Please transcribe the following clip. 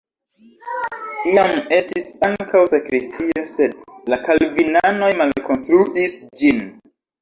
Iam estis ankaŭ sakristio, sed la kalvinanoj malkonstruis ĝin.